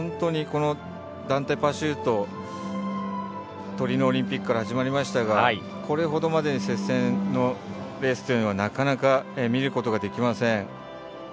この団体パシュートトリノオリンピックから始まりましたがこれほどまでに接戦のレースというのはなかなか見ることができません。